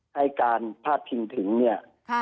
ให้การพาดพิงถึงเนี่ย